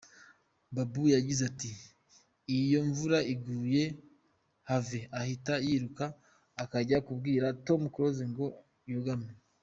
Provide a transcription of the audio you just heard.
Babu yagize ati " Iyoimvura iguye, Herve ahita yiruka akajya kubwira Tom Close ngo yugame.